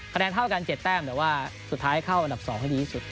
แนนเท่ากัน๗แต้มแต่ว่าสุดท้ายเข้าอันดับ๒ให้ดีที่สุด